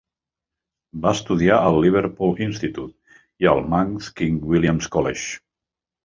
Va estudiat al Liverpool Institute i al Manx King William's College.